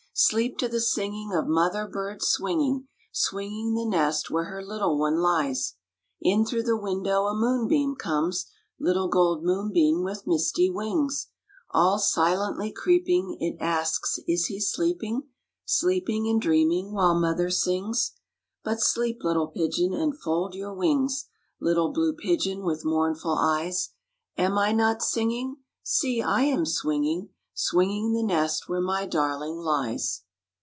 Sleep to the singing of mother bird swinging, Swinging the nest where her little one lies. In through the window a moonbeam comes, Little gold moonbeam with misty wings, All silently creeping it asks is he sleeping, Sleeping and dreaming while mother sings? But sleep little pigeon and fold your wings, Little blue pigeon with mournful eyes. Am I not singing? See I am swinging, Swinging the nest where my darling lies.